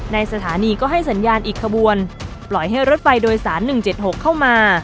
ในสถานีก็ให้สัญญาณอีกขบวนปล่อยให้รถไฟโดยสาร๑๗๖เข้ามา